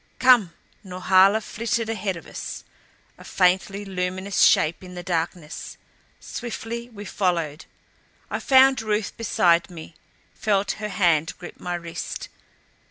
"Come!" Norhala flitted ahead of us, a faintly luminous shape in the darkness. Swiftly we followed. I found Ruth beside me; felt her hand grip my wrist.